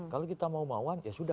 kalau kita mau mawan ya sudah